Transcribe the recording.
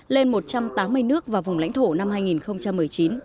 lên một trăm tám mươi nước và vùng lãnh thổ năm hai nghìn một mươi chín